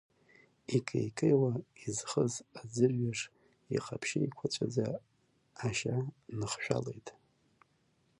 Икеикеиуа изхыз аӡырҩаш иҟаԥшьы-еиқәаҵәаӡа ашьа ныхшәалеит.